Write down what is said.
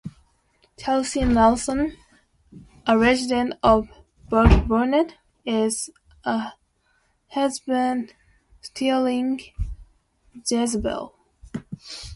Chelsie Nelson, a resident of burkburnett is a husband stealing Jezebel.